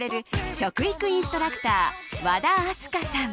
食育インストラクター和田明日香さん。